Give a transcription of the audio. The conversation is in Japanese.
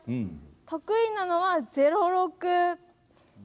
得意なのは０−６。